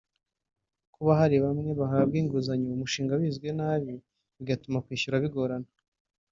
kuba hari bamwe bahabwa inguzanyo umushinga wizwe nabi bigatuma kwishyura bigorana